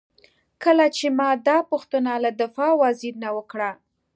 کله چې ما دا پوښتنه له دفاع وزیر نه وکړه.